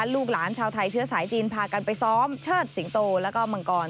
ลูกหลานชาวไทยเชื้อสายจีนพากันไปซ้อมเชิดสิงโตแล้วก็มังกร